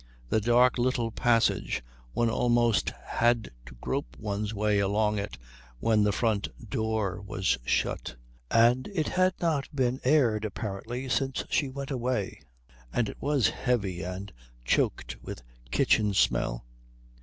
The dark little passage; one almost had to grope one's way along it when the front door was shut. And it had not been aired apparently since she went away, and it was heavy and choked with kitchen smell.